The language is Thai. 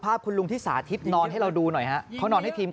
เป็นคุณลุงคนหนึ่งนอนอยู่ในบ้าน